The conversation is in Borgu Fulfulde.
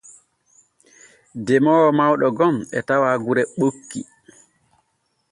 Demoowo mawɗo gom e tawa gure ɓokki.